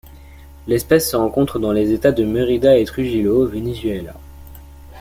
L'espèce se rencontre dans les États de Mérida et Trujillo au Venezuela.